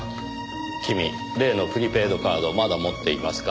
君例のプリペイドカードをまだ持っていますか？